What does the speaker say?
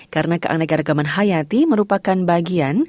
karena keanekaragaman hayati merupakan bagi